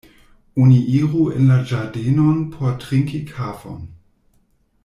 Oni iru en la ĝardenon por trinki kafon.